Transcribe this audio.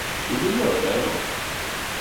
Är det lördag idag?